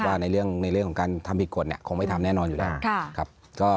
ว่าในเรื่องของการทำผิดกฎคงไม่ทำแน่นอนอยู่แล้วครับ